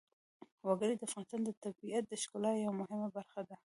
وګړي د افغانستان د طبیعت د ښکلا یوه مهمه برخه ده.